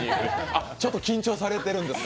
あ、ちょっと緊張されてるんですか？